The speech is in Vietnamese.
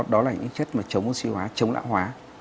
đó là những chất mà chống oxy hóa chống lãng hóa